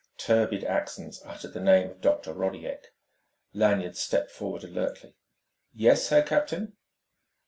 Turbid accents uttered the name of Dr. Rodiek. Lanyard stepped forward alertly. "Yes, Herr Captain?"